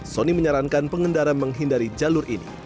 soni menyarankan pengendara menghindari jalur ini